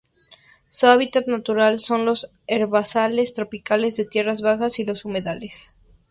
Su hábitat natural son los herbazales tropicales de tierras bajas y los humedales.